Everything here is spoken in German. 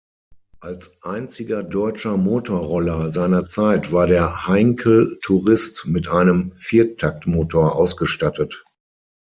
Als einziger deutscher Motorroller seiner Zeit war der Heinkel Tourist mit einem Viertaktmotor ausgestattet.